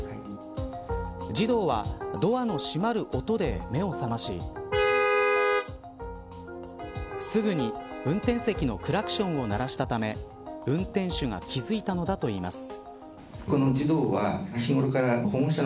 児童はドアの閉まる音で目を覚ましすぐに運転席のクラクションを鳴らしたため運転手が気付いたのだといいます。